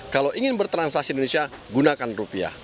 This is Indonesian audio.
kalau ingin bertransaksi di indonesia gunakan rupiah